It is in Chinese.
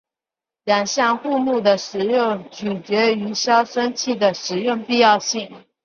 两款护木的使用取决于消声器的使用必要性。